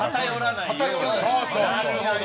なるほど。